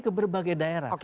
ke berbagai daerah